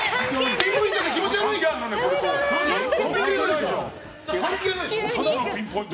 ピンポイントで気持ち悪いな。